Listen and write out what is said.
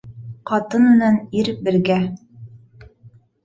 Ҡатын менән ир бергә.